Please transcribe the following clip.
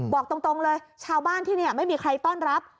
บอกตรงเลยชาวบ้านที่นี่ไม่มีใครต้อนรับ